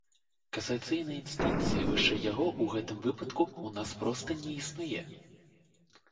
Касацыйнай інстанцыі вышэй яго ў гэтым выпадку ў нас проста не існуе!